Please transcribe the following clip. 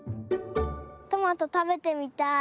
トマトたべてみたい。